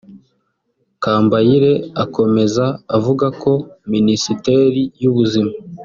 Kambayire akomeza avuga ko Minisiteri y’Ubuzima